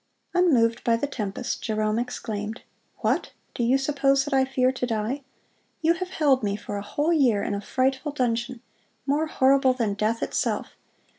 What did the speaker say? Unmoved by the tempest, Jerome exclaimed: "What! do you suppose that I fear to die? You have held me for a whole year in a frightful dungeon, more horrible than death itself.